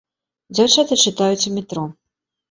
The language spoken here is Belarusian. Дзяўчаты чытаюць у метро.